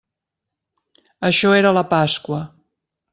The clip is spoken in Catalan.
Això era la Pasqua.